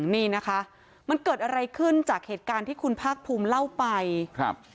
นี่นะคะมันเกิดอะไรขึ้นจากเหตุการณ์ที่คุณภาคภูมิเล่าไปครับ